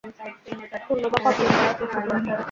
পুণ্য বা পাপ তোমাকে স্পর্শ করেনি।